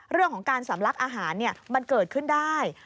เรื่องของการสำลักอาหารมันเกิดขึ้นได้